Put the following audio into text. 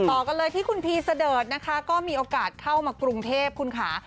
ต่อกันเลยที่คุณพีเสดิร์ดนะคะก็มีโอกาสเข้ามากรุงเทพคุณค่ะ